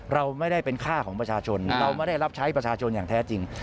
เราไม่ได้เป็นค่าของประชาชนเราไม่ได้รับใช้ประชาชนอย่างแท้จริง